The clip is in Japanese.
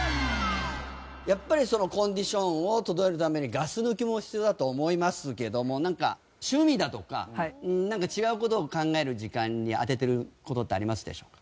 やっぱりそのコンディションを整えるためにガス抜きも必要だと思いますけどもなんか趣味だとかなんか違う事を考える時間に当ててる事ってありますでしょうか？